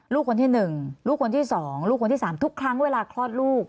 ลูกคนที่๑ลูกคนที่๒ลูกคนที่๓ทุกครั้งเวลาคลอดลูก